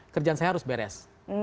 kerjaan saya harus beres